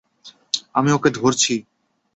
আমি ওকে ধরছি।